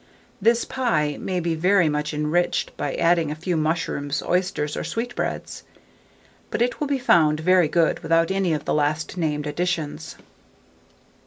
This pie may be very much enriched by adding a few mushrooms, oysters, or sweetbreads; but it will be found very good without any of the last named additions.